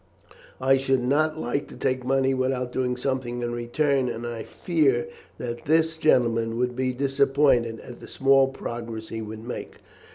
I should not like to take money without doing something in return, and I fear that this gentleman would be disappointed at the small progress he would make."